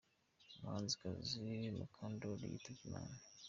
Umuhanzikazi Mukandoli yitabye Imana